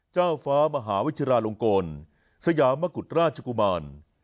เจ้าฟ้ามหาวิทยาลงกลสยามกุฎราชกุมาร